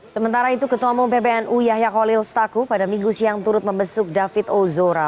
sementara itu ketemu pbnu yahya kolil staku pada minggu siang turut membesuk david ozora